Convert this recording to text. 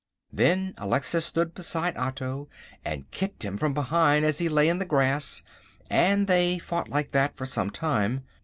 Then Alexis stood beside Otto and kicked him from behind as he lay in the grass, and they fought like that for some time.